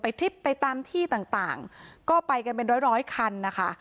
ไปทริปไปตามที่ต่างก็ไปกันเป็นร้อยคันนะคะ